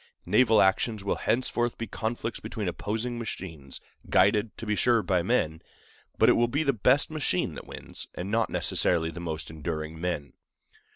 Naval actions will henceforth be conflicts between opposing machines, guided, to be sure, by men; but it will be the best machine that wins, and not necessarily the most enduring men.